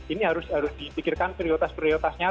ini harus dipikirkan prioritas prioritasnya